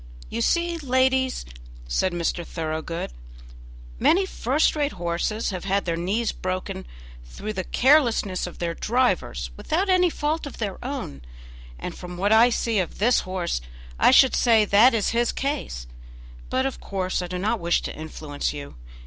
"You see, ladies," said Mr. Thoroughgood, "many first rate horses have had their knees broken through the carelessness of their drivers without any fault of their own, and from what I see of this horse I should say that is his case; but of course I do not wish to influence you.